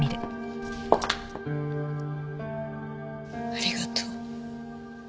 ありがとう。